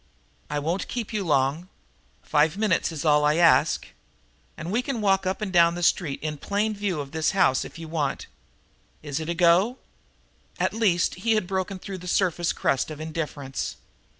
I won't keep you long; five minutes is all I ask. And we can walk up and down the street, in plain view of the house, if you want. Is it a go?" At least he had broken through the surface crust of indifference.